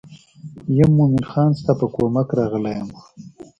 یم مومن خان ستا په کومک راغلی یم.